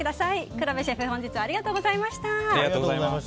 黒部シェフ本日はありがとうございました。